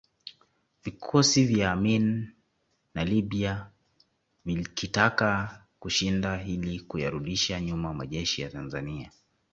Vikosi vya Amin na Libya vilkitaka kushinda ili kuyarudisha nyuma majeshi ya Tanzania